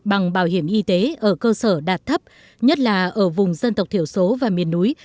bằng bảo hiểm y tế ở cơ sở đạt thấp nhất là ở vùng dân tộc thiểu số và miền núi